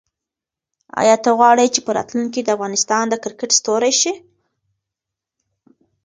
آیا ته غواړې چې په راتلونکي کې د افغانستان د کرکټ ستوری شې؟